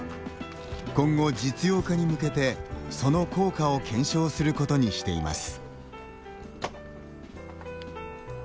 今後、実用化に向けてその効果を検証することにしています。